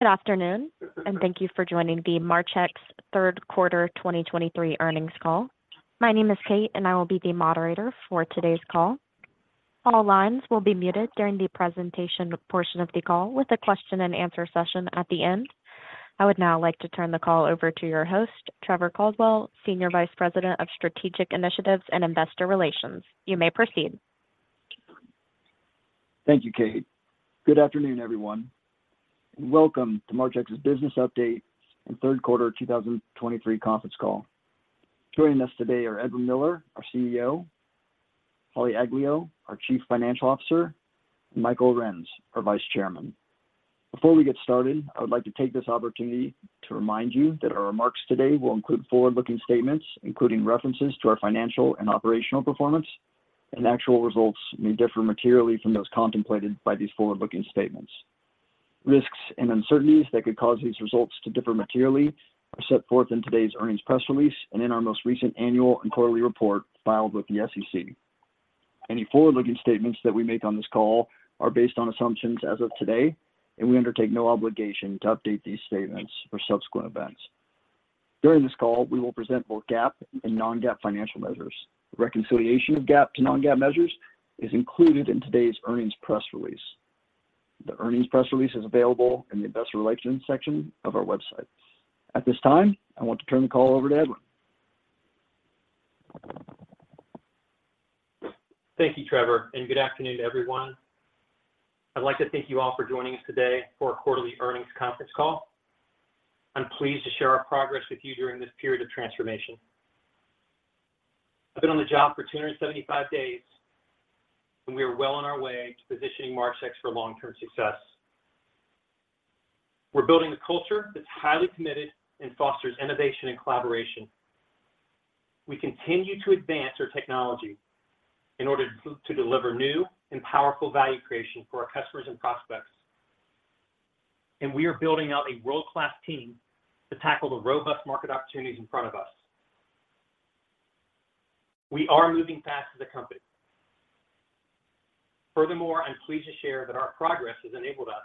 Good afternoon, and thank you for joining the Marchex Q3 2023 Earnings Call. My name is Kate, and I will be the moderator for today's call. All lines will be muted during the presentation portion of the call, with a question and answer session at the end. I would now like to turn the call over to your host, Trevor Caldwell, Senior Vice President of Strategic Initiatives and Investor Relations. You may proceed. Thank you, Kate. Good afternoon, everyone. Welcome to Marchex's business update and Q3 2023 conference call. Joining us today are Edwin Miller, our CEO, Holly Aglio, our Chief Financial Officer, and Mike Arends, our Vice Chairman. Before we get started, I would like to take this opportunity to remind you that our remarks today will include forward-looking statements, including references to our financial and operational performance, and actual results may differ materially from those contemplated by these forward-looking statements. Risks and uncertainties that could cause these results to differ materially are set forth in today's earnings press release and in our most recent annual and quarterly report filed with the SEC. Any forward-looking statements that we make on this call are based on assumptions as of today, and we undertake no obligation to update these statements for subsequent events. During this call, we will present both GAAP and non-GAAP financial measures. Reconciliation of GAAP to non-GAAP measures is included in today's earnings press release. The earnings press release is available in the investor relations section of our website. At this time, I want to turn the call over to Edwin. Thank you, Trevor, and good afternoon, everyone. I'd like to thank you all for joining us today for our quarterly earnings conference call. I'm pleased to share our progress with you during this period of transformation. I've been on the job for 275 days, and we are well on our way to positioning Marchex for long-term success. We're building a culture that's highly committed and fosters innovation and collaboration. We continue to advance our technology in order to deliver new and powerful value creation for our customers and prospects. And we are building out a world-class team to tackle the robust market opportunities in front of us. We are moving fast as a company. Furthermore, I'm pleased to share that our progress has enabled us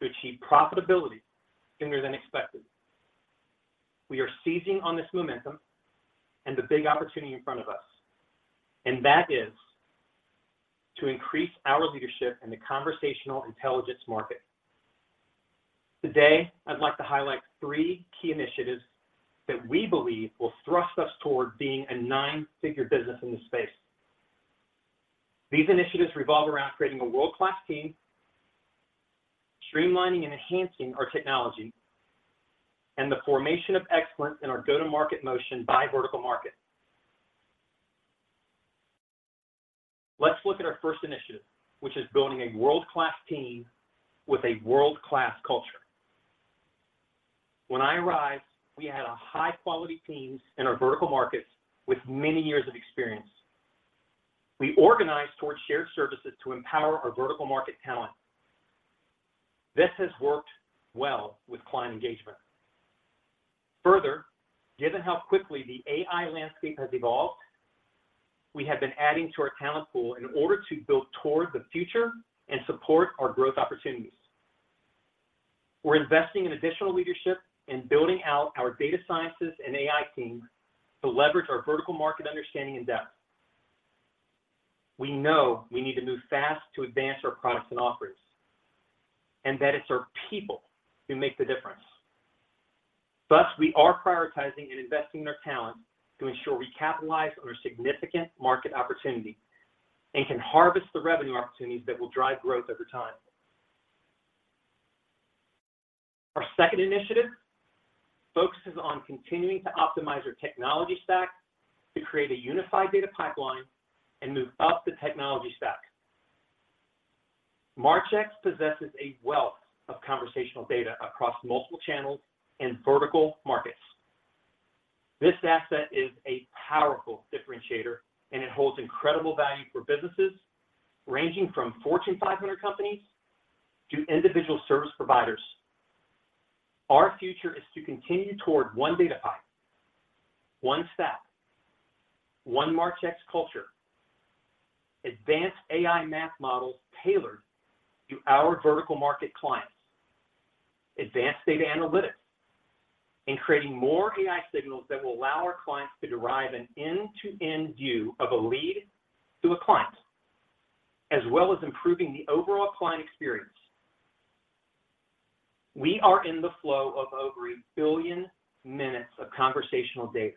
to achieve profitability sooner than expected. We are seizing on this momentum and the big opportunity in front of us, and that is to increase our leadership in the conversational intelligence market. Today, I'd like to highlight three key initiatives that we believe will thrust us toward being a nine-figure business in this space. These initiatives revolve around creating a world-class team, streamlining and enhancing our technology, and the formation of excellence in our go-to-market motion by vertical market. Let's look at our first initiative, which is building a world-class team with a world-class culture. When I arrived, we had a high-quality teams in our vertical markets with many years of experience. We organized towards shared services to empower our vertical market talent. This has worked well with client engagement. Further, given how quickly the AI landscape has evolved, we have been adding to our talent pool in order to build toward the future and support our growth opportunities. We're investing in additional leadership and building out our data sciences and AI teams to leverage our vertical market understanding and depth. We know we need to move fast to advance our products and offerings, and that it's our people who make the difference. Thus, we are prioritizing and investing in our talent to ensure we capitalize on our significant market opportunity and can harvest the revenue opportunities that will drive growth over time. Our second initiative focuses on continuing to optimize our technology stack to create a unified data pipeline and move up the technology stack. Marchex possesses a wealth of conversational data across multiple channels and vertical markets. This asset is a powerful differentiator, and it holds incredible value for businesses, ranging from Fortune 500 companies to individual service providers. Our future is to continue toward one data pipe, one stack, one Marchex culture, advanced AI math models tailored to our vertical market clients, advanced data analytics, and creating more AI signals that will allow our clients to derive an end-to-end view of a lead to a client, as well as improving the overall client experience. We are in the flow of over 1 billion minutes of conversational data,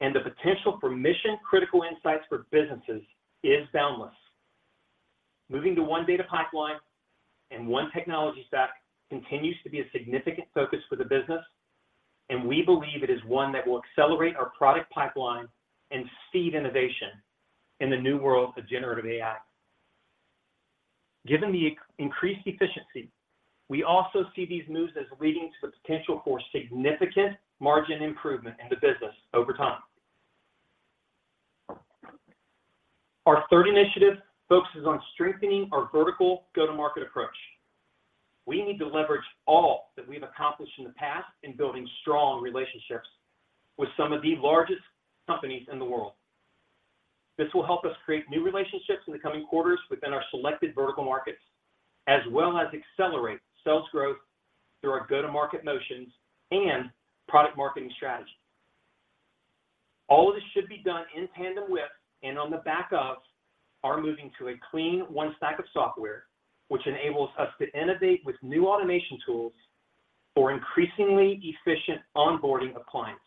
and the potential for mission-critical insights for businesses is boundless. Moving to one data pipeline and one technology stack continues to be a significant focus for the business, and we believe it is one that will accelerate our product pipeline and seed innovation in the new world of generative AI. Given the increased efficiency, we also see these moves as leading to the potential for significant margin improvement in the business over time. Our third initiative focuses on strengthening our vertical go-to-market approach. We need to leverage all that we've accomplished in the past in building strong relationships with some of the largest companies in the world. This will help us create new relationships in the coming quarters within our selected vertical markets, as well as accelerate sales growth through our go-to-market motions and product marketing strategy. All of this should be done in tandem with, and on the back of, our moving to a clean One Stack of software, which enables us to innovate with new automation tools for increasingly efficient onboarding of clients.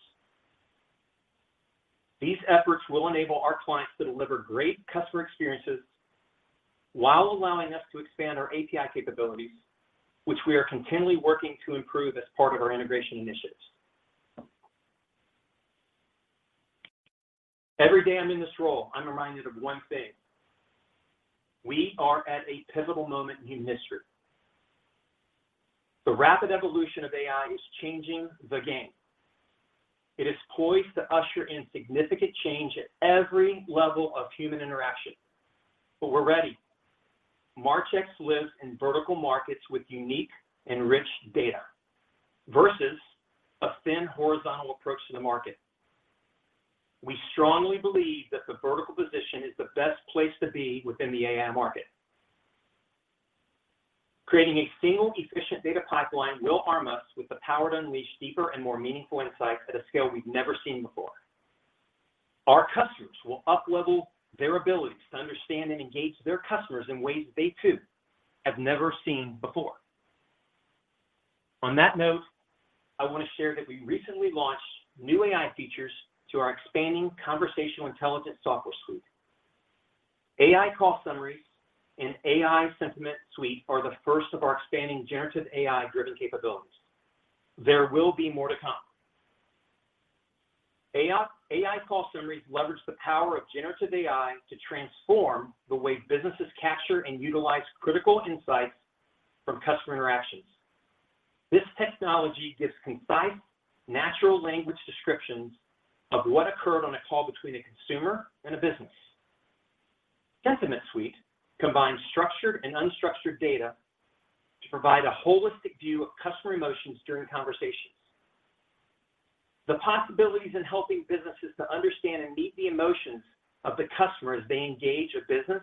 These efforts will enable our clients to deliver great customer experiences while allowing us to expand our API capabilities, which we are continually working to improve as part of our integration initiatives. Every day I'm in this role, I'm reminded of one thing: We are at a pivotal moment in history. The rapid evolution of AI is changing the game. It is poised to usher in significant change at every level of human interaction, but we're ready. Marchex lives in vertical markets with unique and rich data, versus a thin horizontal approach to the market. We strongly believe that the vertical position is the best place to be within the AI market. Creating a single, efficient data pipeline will arm us with the power to unleash deeper and more meaningful insights at a scale we've never seen before. Our customers will uplevel their abilities to understand and engage their customers in ways they, too, have never seen before. On that note, I want to share that we recently launched new AI features to our expanding conversational intelligence software suite. AI Call Summaries and AI Sentiment Suite are the first of our expanding generative AI-driven capabilities. There will be more to come. AI, AI Call Summaries leverage the power of generative AI to transform the way businesses capture and utilize critical insights from customer interactions. This technology gives concise, natural language descriptions of what occurred on a call between a consumer and a business. Sentiment Suite combines structured and unstructured data to provide a holistic view of customer emotions during conversations. The possibilities in helping businesses to understand and meet the emotions of the customer as they engage a business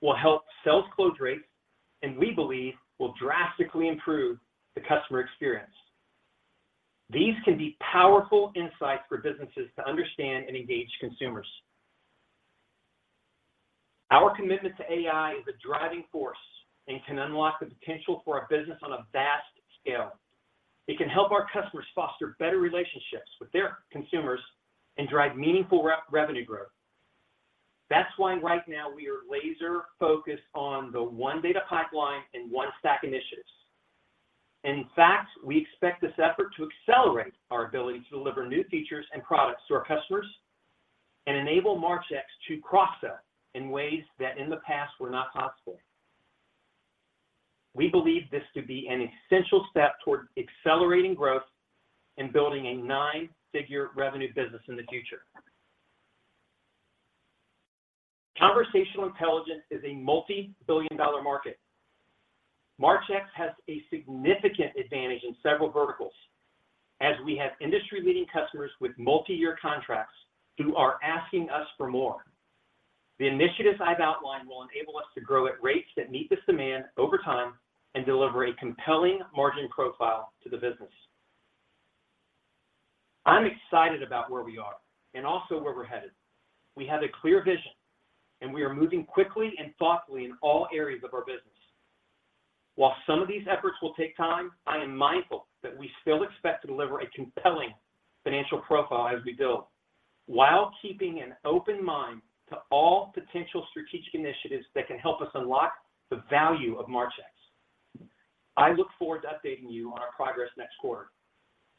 will help sales close rates, and we believe will drastically improve the customer experience. These can be powerful insights for businesses to understand and engage consumers. Our commitment to AI is a driving force and can unlock the potential for our business on a vast scale. It can help our customers foster better relationships with their consumers and drive meaningful revenue growth. That's why right now we are laser-focused on the one data pipeline and One Stack initiatives. In fact, we expect this effort to accelerate our ability to deliver new features and products to our customers and enable Marchex to cross-sell in ways that in the past were not possible. We believe this to be an essential step toward accelerating growth and building a nine-figure revenue business in the future. Conversational intelligence is a multi-billion dollar market. Marchex has a significant advantage in several verticals, as we have industry-leading customers with multiyear contracts who are asking us for more. The initiatives I've outlined will enable us to grow at rates that meet this demand over time and deliver a compelling margin profile to the business. I'm excited about where we are and also where we're headed. We have a clear vision, and we are moving quickly and thoughtfully in all areas of our business. While some of these efforts will take time, I am mindful that we still expect to deliver a compelling financial profile as we build, while keeping an open mind to all potential strategic initiatives that can help us unlock the value of Marchex. I look forward to updating you on our progress next quarter.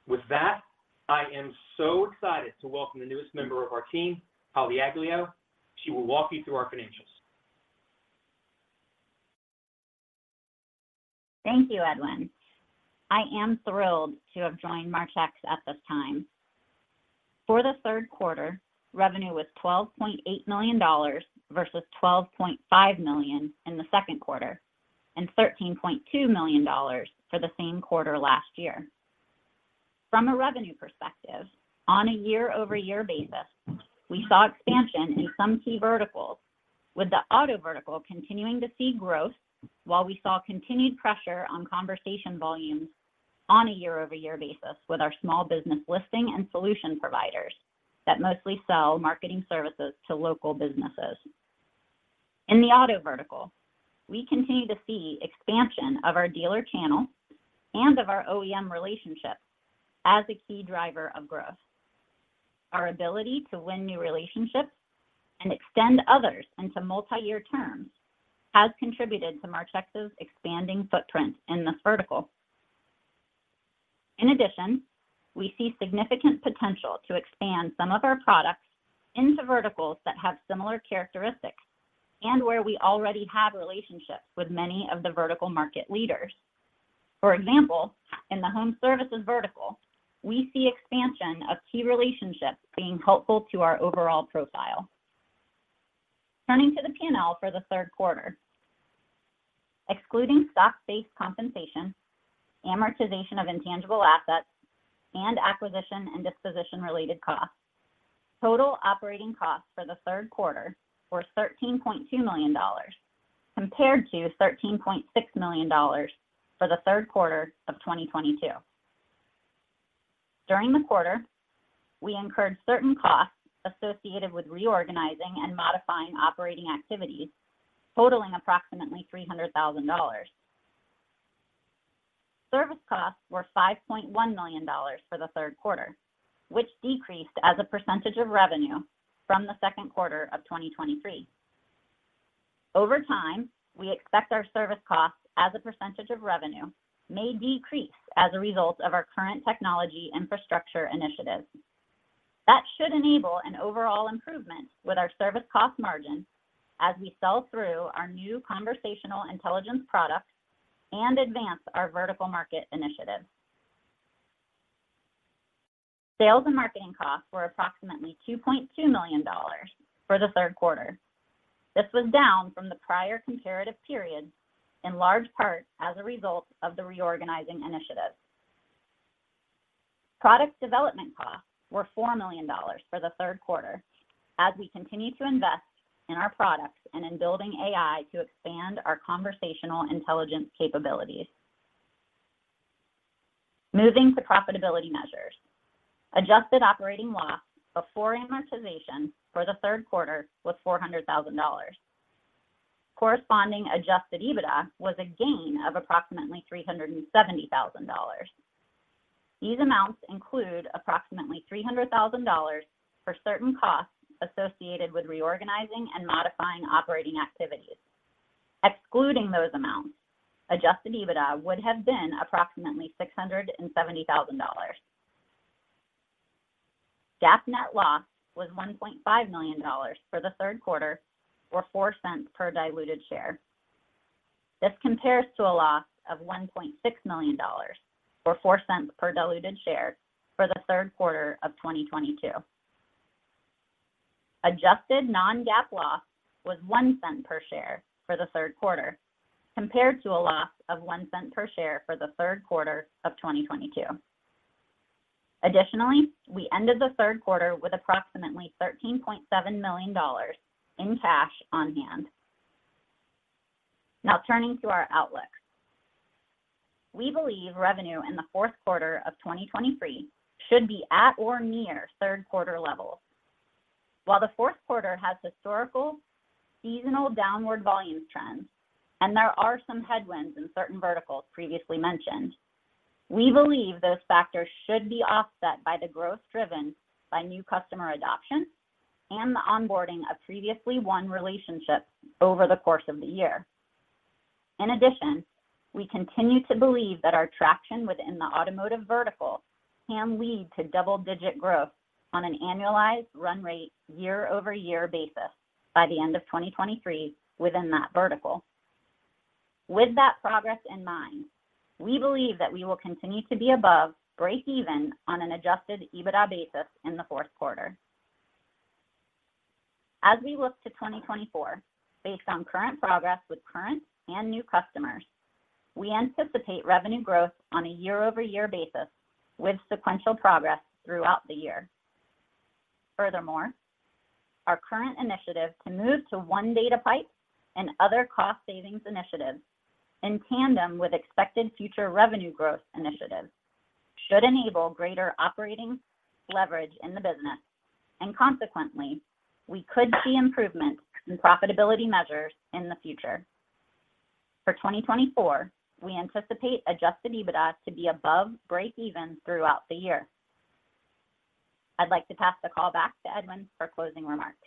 With that, I am so excited to welcome the newest member of our team, Holly Aglio. She will walk you through our financials. Thank you, Edwin. I am thrilled to have joined Marchex at this time. For the Q3, revenue was $12.8 million, versus $12.5 million in the Q2, and $13.2 million for the same quarter last year. From a revenue perspective, on a year-over-year basis, we saw expansion in some key verticals, with the auto vertical continuing to see growth, while we saw continued pressure on conversation volumes on a year-over-year basis with our small business listing and solution providers that mostly sell marketing services to local businesses. In the auto vertical, we continue to see expansion of our dealer channel and of our OEM relationships as a key driver of growth. Our ability to win new relationships and extend others into multi-year terms has contributed to Marchex's expanding footprint in this vertical. In addition, we see significant potential to expand some of our products into verticals that have similar characteristics and where we already have relationships with many of the vertical market leaders. For example, in the home services vertical, we see expansion of key relationships being helpful to our overall profile. Turning to the P&L for the Q3, excluding stock-based compensation, amortization of intangible assets, and acquisition and disposition-related costs, total operating costs for the Q3 were $13.2 million, compared to $13.6 million for the Q3 of 2022. During the quarter, we incurred certain costs associated with reorganizing and modifying operating activities, totaling approximately $300,000. Service costs were $5.1 million for the Q3, which decreased as a percentage of revenue from the Q2 of 2023. Over time, we expect our service costs as a percentage of revenue may decrease as a result of our current technology infrastructure initiatives. That should enable an overall improvement with our service cost margin as we sell through our new conversational intelligence products and advance our vertical market initiatives. Sales and marketing costs were approximately $2.2 million for the Q3. This was down from the prior comparative period, in large part as a result of the reorganizing initiative. Product development costs were $4 million for the Q3, as we continue to invest in our products and in building AI to expand our conversational intelligence capabilities. Moving to profitability measures. Adjusted operating loss before amortization for the Q3 was $400,000. Corresponding Adjusted EBITDA was a gain of approximately $370,000. These amounts include approximately $300,000 for certain costs associated with reorganizing and modifying operating activities. Excluding those amounts, Adjusted EBITDA would have been approximately $670,000. GAAP net loss was $1.5 million for the Q3, or $0.04 per diluted share. This compares to a loss of $1.6 million, or $0.04 per diluted share for the Q3 of 2022. Adjusted non-GAAP loss was $0.01 per share for the Q3, compared to a loss of $0.01 per share for the Q3 of 2022. Additionally, we ended the Q3 with approximately $13.7 million in cash on hand. Now turning to our outlook. We believe revenue in the Q4 of 2023 should be at or near Q3 levels. While the Q4 has historical seasonal downward volume trends, and there are some headwinds in certain verticals previously mentioned, we believe those factors should be offset by the growth driven by new customer adoption and the onboarding of previously won relationships over the course of the year. In addition, we continue to believe that our traction within the automotive vertical can lead to double-digit growth on an annualized run rate year-over-year basis by the end of 2023 within that vertical. With that progress in mind, we believe that we will continue to be above break even on an Adjusted EBITDA basis in the Q4. As we look to 2024, based on current progress with current and new customers, we anticipate revenue growth on a year-over-year basis with sequential progress throughout the year. Furthermore, our current initiative to move to one data pipe and other cost savings initiatives, in tandem with expected future revenue growth initiatives, should enable greater operating leverage in the business, and consequently, we could see improvements in profitability measures in the future. For 2024, we anticipate Adjusted EBITDA to be above breakeven throughout the year. I'd like to pass the call back to Edwin for closing remarks.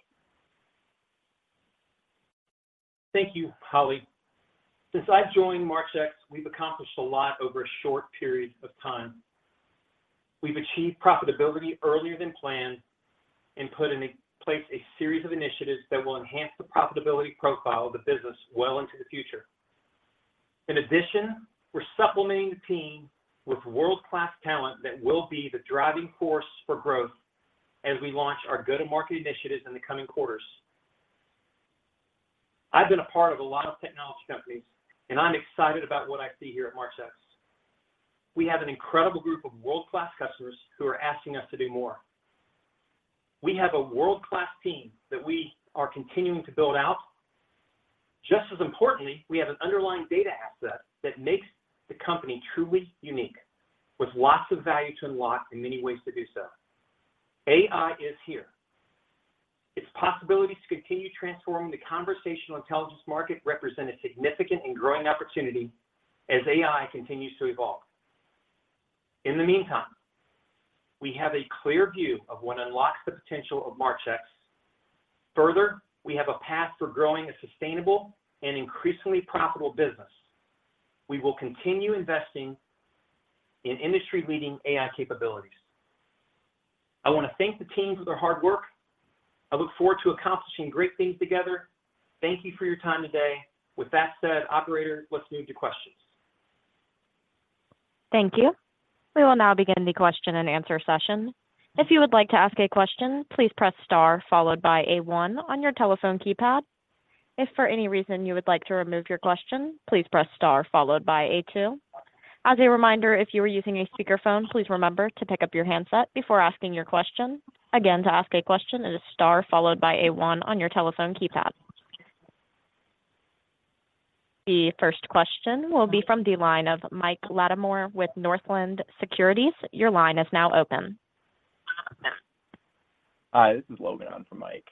Thank you, Holly. Since I joined Marchex, we've accomplished a lot over a short period of time. We've achieved profitability earlier than planned and put in place a series of initiatives that will enhance the profitability profile of the business well into the future. In addition, we're supplementing the team with world-class talent that will be the driving force for growth as we launch our go-to-market initiatives in the coming quarters. I've been a part of a lot of technology companies, and I'm excited about what I see here at Marchex. We have an incredible group of world-class customers who are asking us to do more. We have a world-class team that we are continuing to build out. Just as importantly, we have an underlying data asset that makes the company truly unique, with lots of value to unlock and many ways to do so. AI is here. Its possibilities to continue transforming the conversational intelligence market represent a significant and growing opportunity as AI continues to evolve. In the meantime, we have a clear view of what unlocks the potential of Marchex. Further, we have a path for growing a sustainable and increasingly profitable business. We will continue investing in industry-leading AI capabilities. I want to thank the team for their hard work. I look forward to accomplishing great things together. Thank you for your time today. With that said, operator, let's move to questions. Thank you. We will now begin the question and answer session. If you would like to ask a question, please press star followed by a one on your telephone keypad. If for any reason you would like to remove your question, please press star followed by a two. As a reminder, if you are using a speakerphone, please remember to pick up your handset before asking your question. Again, to ask a question is star followed by a one on your telephone keypad. The first question will be from the line of Mike Latimore with Northland Securities. Your line is now open. Hi, this is Logan on for Mike.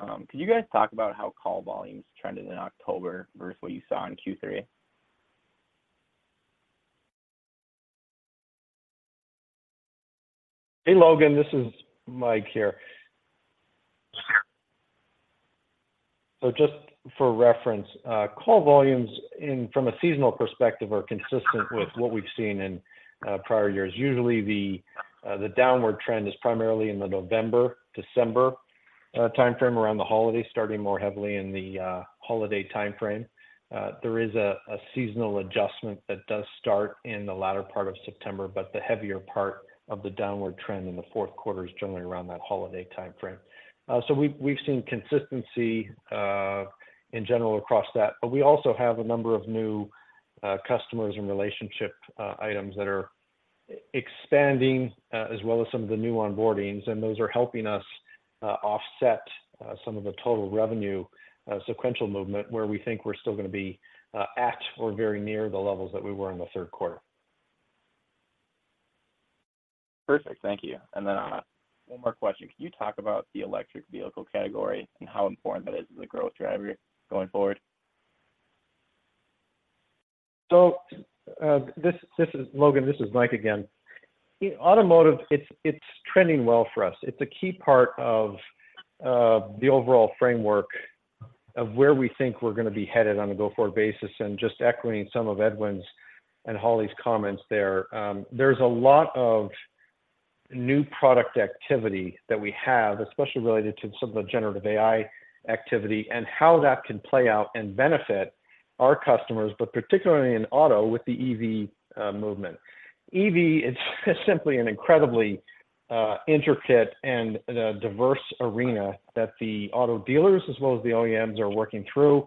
Could you guys talk about how call volumes trended in October versus what you saw in Q3? Hey, Logan, this is Mike here. So just for reference, call volumes in from a seasonal perspective are consistent with what we've seen in prior years. Usually, the downward trend is primarily in the November, December timeframe around the holidays, starting more heavily in the holiday timeframe. There is a seasonal adjustment that does start in the latter part of September, but the heavier part of the downward trend in the Q4 is generally around that holiday timeframe. So we've seen consistency in general across that, but we also have a number of new customers and relationship items that are expanding, as well as some of the new onboardings, and those are helping us offset some of the total revenue sequential movement, where we think we're still gonna be at or very near the levels that we were in the Q3. Perfect. Thank you. And then, one more question: Could you talk about the electric vehicle category and how important that is as a growth driver going forward? So, this is Logan, this is Mike again. Automotive, it's trending well for us. It's a key part of the overall framework of where we think we're gonna be headed on a go-forward basis. And just echoing some of Edwin's and Holly's comments there, there's a lot of new product activity that we have, especially related to some of the generative AI activity, and how that can play out and benefit our customers, but particularly in auto with the EV movement. EV is simply an incredibly intricate and diverse arena that the auto dealers, as well as the OEMs, are working through.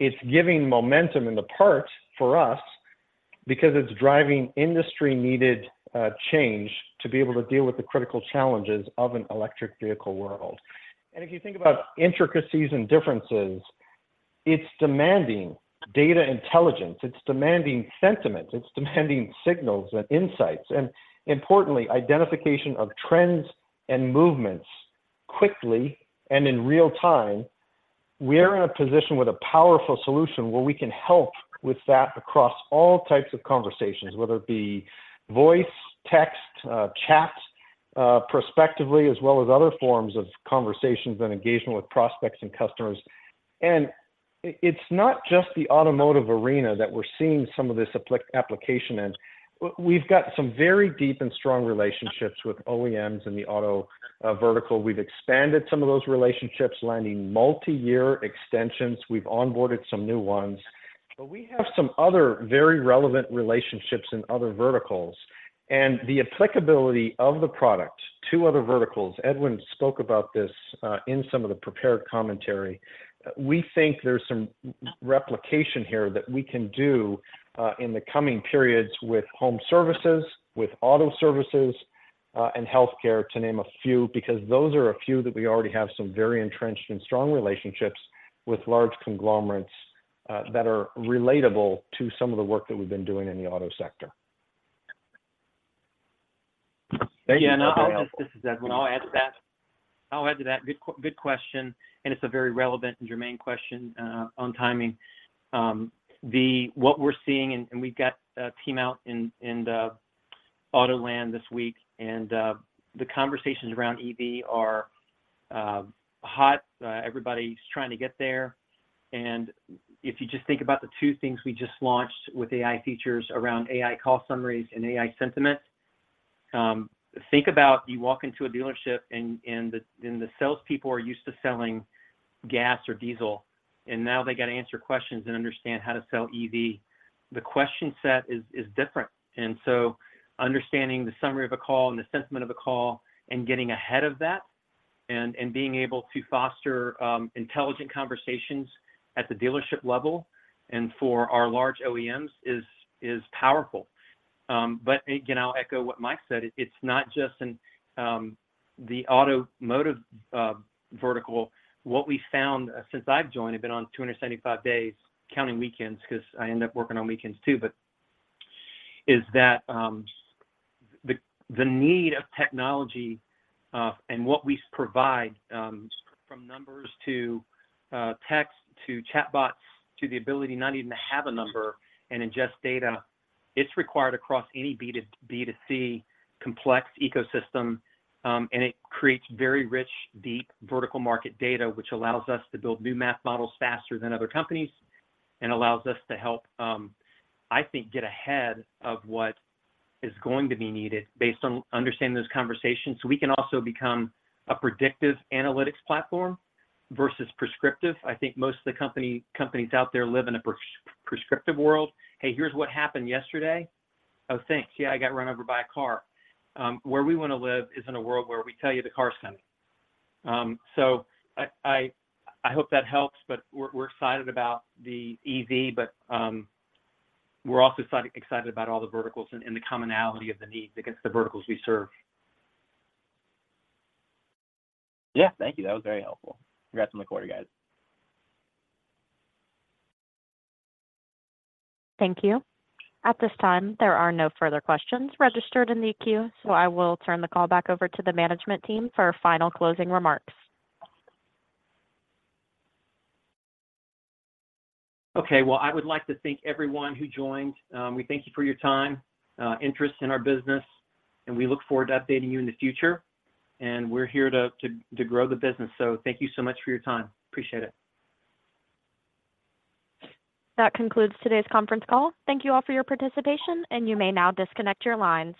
It's giving momentum in the parts for us because it's driving industry-needed change to be able to deal with the critical challenges of an electric vehicle world. If you think about intricacies and differences, it's demanding data intelligence, it's demanding sentiment, it's demanding signals and insights, and importantly, identification of trends and movements quickly and in real time. We are in a position with a powerful solution where we can help with that across all types of conversations, whether it be voice, text, chat, prospectively, as well as other forms of conversations and engagement with prospects and customers. It's not just the automotive arena that we're seeing some of this application in. We've got some very deep and strong relationships with OEMs in the auto vertical. We've expanded some of those relationships, landing multiyear extensions. We've onboarded some new ones, but we have some other very relevant relationships in other verticals. And the applicability of the product to other verticals, Edwin spoke about this in some of the prepared commentary. We think there's some replication here that we can do, in the coming periods with home services, with auto services, and healthcare, to name a few, because those are a few that we already have some very entrenched and strong relationships with large conglomerates, that are relatable to some of the work that we've been doing in the auto sector. Yeah, This is Edwin. I'll add to that. I'll add to that. Good question, and it's a very relevant and germane question on timing. What we're seeing, and we've got a team out in the auto land this week, and the conversations around EV are hot. Everybody's trying to get there. And if you just think about the two things we just launched with AI features around AI call summaries and AI sentiment, think about you walk into a dealership and the salespeople are used to selling gas or diesel, and now they got to answer questions and understand how to sell EV. The question set is different, and so understanding the summary of a call and the sentiment of a call and getting ahead of that and being able to foster intelligent conversations at the dealership level and for our large OEMs is powerful. But again, I'll echo what Mike said. It's not just in the automotive vertical. What we found since I've joined, I've been on 275 days, counting weekends, 'cause I end up working on weekends too, but is that the need of technology, and what we provide, from numbers to text to chatbots, to the ability not even to have a number and ingest data, it's required across any B2C complex ecosystem, and it creates very rich, deep vertical market data, which allows us to build new math models faster than other companies and allows us to help, I think, get ahead of what is going to be needed based on understanding those conversations. So we can also become a predictive analytics platform versus prescriptive. I think most of the companies out there live in a prescriptive world. "Hey, here's what happened yesterday." "Oh, thanks. Yeah, I got run over by a car." Where we wanna live is in a world where we tell you the car is coming. So I hope that helps, but we're excited about the EV, but we're also excited about all the verticals and the commonality of the needs against the verticals we serve. Yeah, thank you. That was very helpful. Congrats on the quarter, guys. Thank you. At this time, there are no further questions registered in the queue, so I will turn the call back over to the management team for final closing remarks. Okay, well, I would like to thank everyone who joined. We thank you for your time, interest in our business, and we look forward to updating you in the future, and we're here to grow the business. So thank you so much for your time. Appreciate it. That concludes today's conference call. Thank you all for your participation, and you may now disconnect your lines.